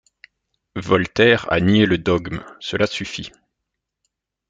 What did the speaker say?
Voltaire a nié le dogme, cela suffit.